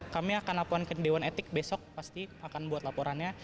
kami akan laporkan ke dewan etik besok pasti akan buat laporannya